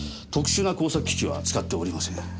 特殊な工作機器は使っておりません。